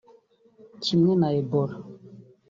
Kimwe na Ebola